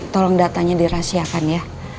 tolong datanya dirahasiakan ya